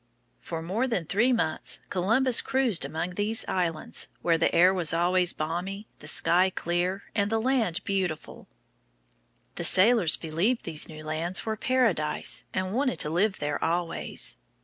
For more than three months Columbus cruised among these islands, where the air was always balmy, the sky clear, and the land beautiful. The sailors believed these new lands were Paradise, and wanted to live there always.